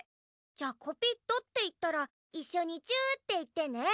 じゃあコピットっていったらいっしょにチューっていってね。